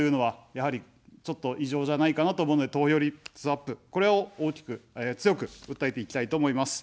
やはり、ちょっと異常じゃないかなと思うので、投票率アップ、これを大きく、強く訴えていきたいと思います。